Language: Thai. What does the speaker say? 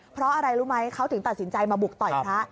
เพราะอะไรรู้ไหมเขาถึงตัดสินใจมาบุกต่อยพระ